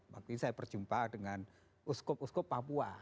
waktu itu saya berjumpa dengan uskop uskop papua